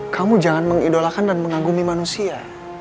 kamu jangan mengidolakan dan mengagumi manusia